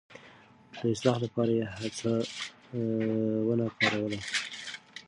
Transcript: د اصلاح لپاره يې هڅونه کاروله.